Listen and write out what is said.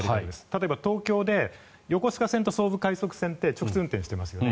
例えば東京って横須賀線と総武快速線って直通運転をしていますよね。